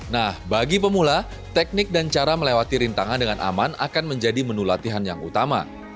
nah bagi pemula teknik dan cara melewati rintangan dengan aman akan menjadi menu latihan yang utama